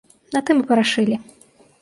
На тым і парашылі.